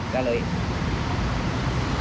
ก็เลยเต้น